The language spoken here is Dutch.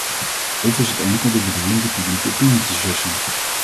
Of is het enkel de bedoeling de publieke opinie te sussen?